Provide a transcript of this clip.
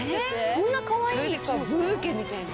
そんなかわいいキノコ？